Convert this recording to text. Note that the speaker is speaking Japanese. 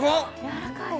やわらかい？